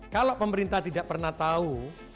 kalau pemerintah tidak pernah tahu